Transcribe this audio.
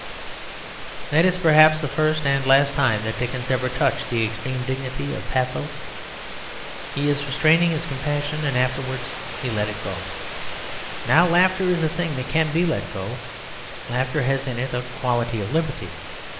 That is perhaps the first and the last time that Dickens ever touched the extreme dignity of pathos. He is restraining his compassion, and afterwards he let it go. Now laughter is a thing that can be let go; laughter has in it a quality of liberty.